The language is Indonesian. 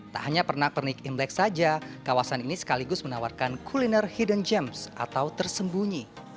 tak hanya pernak pernik imlek saja kawasan ini sekaligus menawarkan kuliner hidden james atau tersembunyi